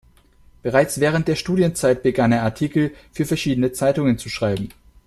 Bereits während der Studienzeit begann er Artikel für verschiedene Zeitungen zu schreiben.